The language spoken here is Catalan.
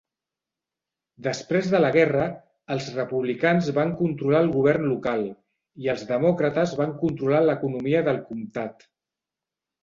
Després de la guerra, els republicans van controlar el govern local i els demòcrates van controlar l"economia del comtat.